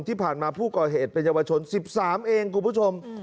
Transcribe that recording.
ที่ผ่านมาผู้ก่อเหตุเป็นเยาวชน๑๓เองคุณผู้ชม